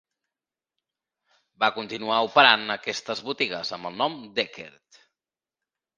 Va continuar operant aquestes botigues amb el nom d'Eckerd.